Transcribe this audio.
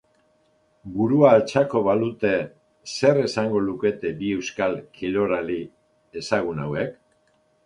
Burua altxako balute zer esango lukete bi euskal kirolari ezagun hauek?